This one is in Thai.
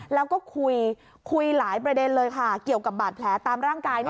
แล้วก็คุยคุยหลายประเด็นเลยค่ะเกี่ยวกับบาดแผลตามร่างกาย